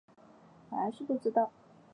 我还是不知道